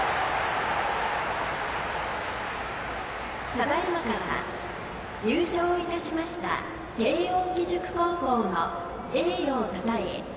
ただいまから、優勝いたしました慶応義塾高校の栄誉をたたえ